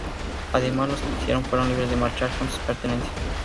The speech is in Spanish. Además, los que quisieron fueron libres de marchar con sus pertenencias.